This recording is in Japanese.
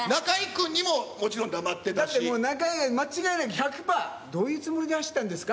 君にももちろん、黙って中居、間違いなく１００パー、どういうつもりで走ったんですか？